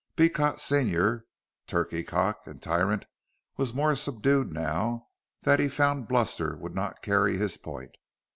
Beecot senior, turkey cock and tyrant, was more subdued now that he found bluster would not carry his point.